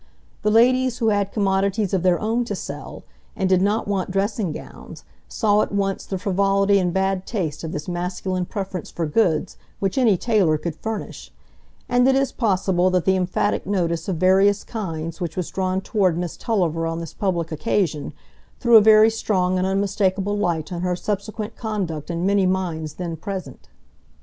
The ladies who had commodities of their own to sell, and did not want dressing gowns, saw at once the frivolity and bad taste of this masculine preference for goods which any tailor could furnish; and it is possible that the emphatic notice of various kinds which was drawn toward Miss Tulliver on this public occasion, threw a very strong and unmistakable light on her subsequent conduct in many minds then present.